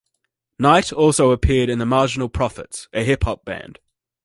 Knight also appeared in The Marginal Prophets, a hip-hop band.